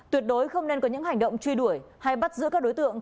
tuyệt đối không nên có những hành động truy đuổi hay bắt giữ các đối tượng